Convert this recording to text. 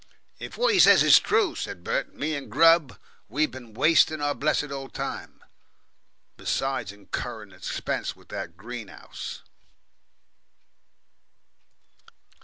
"If what he says is true," said Bert, "me and Grubb, we been wasting our blessed old time. Besides incurring expense with that green 'ouse."